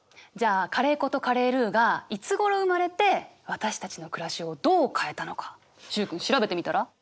じゃあカレー粉とカレールーがいつごろ生まれて私たちの暮らしをどう変えたのか習君調べてみたら？